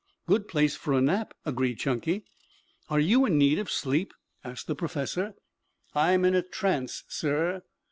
"Good place for a nap," agreed Chunky. "Are you in need of sleep?" asked the professor. "I'm in a trance, sir."